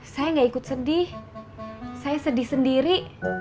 saya gak ikut sedih saya sedih sendiri